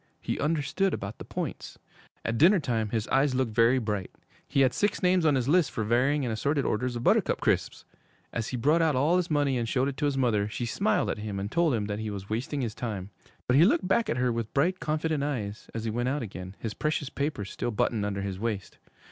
He understood about the points. At dinner time his eyes looked very bright. He had six names on his list for varying and assorted orders of Buttercup Crisps! As he brought out all his money and showed it to his mother, she smiled at him and told him that he was wasting his time. But he looked back at her with bright, confident eyes, as he went out again, his precious papers still buttoned under his waist.